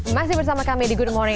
masih bersama kami di good morning